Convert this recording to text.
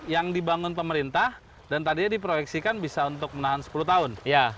yang dibangun pemerintah dan tadinya diproyeksikan bisa untuk menahan sepuluh tahun